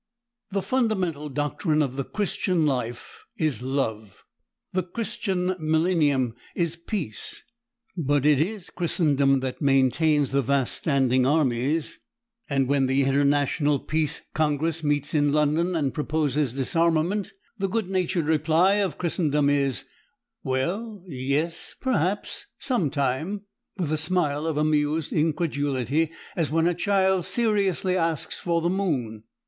The fundamental doctrine of the Christian life is love. The Christian millennium is peace. But it is Christendom that maintains the vast standing armies; and when the International Peace Congress meets in London and proposes disarmament, the good natured reply of Christendom is, "Well yes perhaps some time," with a smile of amused incredulity, as when a child seriously asks for the moon.